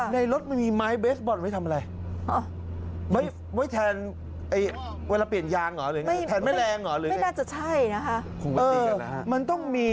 ในรถมันมีไม้เบสบอลไว้ทำอะไร